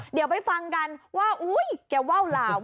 เดี๋ยวไปฟังกันว่าอุ๊ยแกว่าวลาว